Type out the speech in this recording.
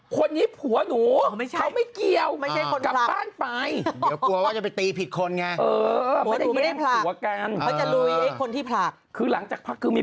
คนนี้ผัวหนูเขาไม่เกี่ยวกลับบ้านไป